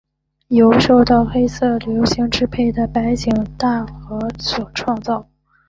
由受到黑色流星支配的白井大和所创造。